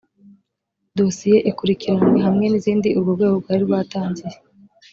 dosiye ikurikiranwe hamwe nizindi urwo rwego rwari rwatangiye